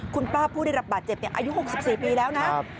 คุณป้าผู้ได้รับบาดเจ็บอายุ๖๔ปีแล้วนะ